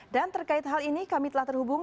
dan terkait hal ini kami telah terhubung